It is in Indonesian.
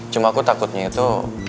cuma aku takutnya itu